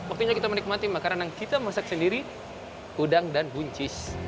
waktunya kita menikmati makanan yang kita masak sendiri udang dan buncis